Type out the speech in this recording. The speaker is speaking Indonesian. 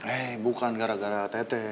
eh bukan gara gara teh teh